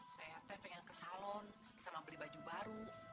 saya pengen ke salon sama beli baju baru